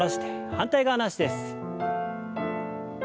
反対側の脚です。